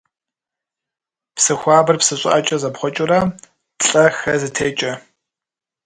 Псы хуабэр псы щӀыӀэкӀэ зэпхъуэкӀыурэ, плӀэ-хэ зытекӀэ.